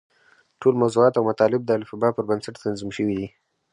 ټول موضوعات او مطالب د الفباء پر بنسټ تنظیم شوي دي.